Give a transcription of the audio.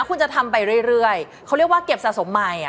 คุณจะทำไปเรื่อยเขาเรียกว่าเก็บสะสมใหม่